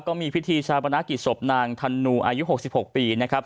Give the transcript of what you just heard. ก็มีพิธีชาปนากิจศพนางธนูอายุ๖๖ปีนะครับ